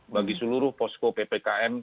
bagi seluruh posko ppkm